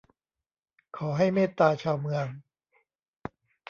ขอให้เมตตาชาวเมือง